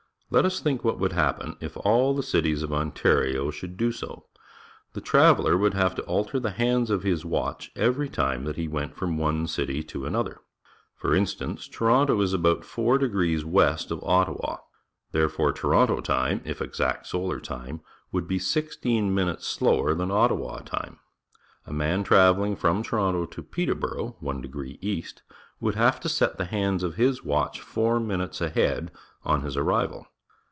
Let us think what would happen if all the cities of Ontario should do so. The traveller would have to alter the hands of his watch every time that he went from one city to another. For instance, Toronto is about 36 PUBLIC SCHOOL GEOGKAPIIY 4° west of Ottawa. Therefore Toronto time, if exact solar time, would be sixteen minutes slower than Ottawa time. A man travelling from Toronto to Peterborough, 1° east, would have to set the hands of his watch four minutes ahead on his arrival.